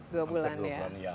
dua bulan ya